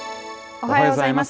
おはようございます。